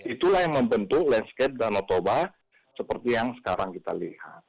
itulah yang membentuk landscape danau toba seperti yang sekarang kita lihat